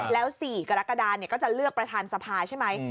แล้ว๔กรกฎาก็จะเลือกประธานสภาใช่ไหม